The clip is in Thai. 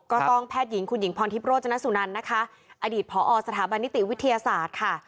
แพทย์หญิงคุณหญิงพรทิพย์โรจนสุนันนะคะอดีตผอสถาบันนิติวิทยาศาสตร์ค่ะ